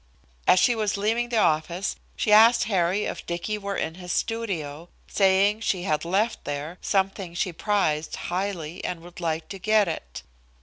As she was leaving the office, she asked Harry if Dicky were in his studio, saying she had left there something she prized highly and would like to get it.